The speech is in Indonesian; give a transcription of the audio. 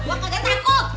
aku ga takut